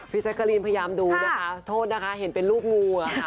พี่จักรีนพยายามดูนะคะโทษนะคะเห็นเป็นลูกงูค่ะ